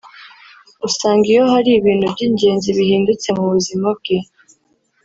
usanga iyo hari ibintu by’ingenzi bihindutse mu buzima bwe